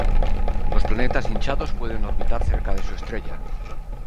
Los planetas hinchados pueden orbitar cerca de su estrella.